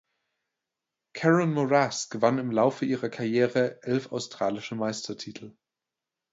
Karen Moras gewann im Lauf ihrer Karriere elf australische Meistertitel.